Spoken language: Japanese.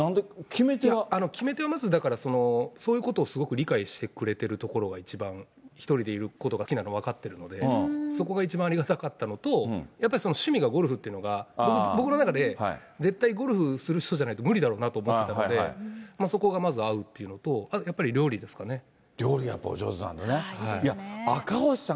決め手はまずだから、そういうことをすごくすごく理解してくれてるところが、１人でいることが好きなの、分かってるので、そこが一番ありがたかったのと、やっぱり趣味がゴルフっていうのが、僕の中で、絶対ゴルフする人じゃないと無理だなと思ってたので、そこがまず合うっていうのと、あとやっぱり料理ですかね。